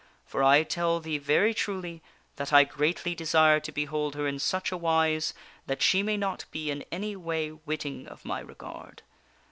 For I tell thee very truly that I greatly desire to behold her in such a wise that she may not be in any way witting of my regard.